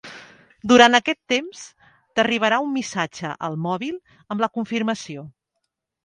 Durant aquests temps t'arribarà un missatge al mòbil amb la confirmació.